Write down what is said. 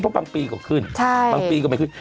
เพราะบางปีก็ขึ้น